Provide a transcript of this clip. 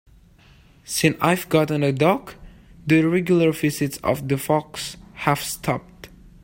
Since I've gotten a dog, the regular visits of the fox have stopped.